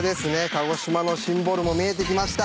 鹿児島のシンボルも見えてきました。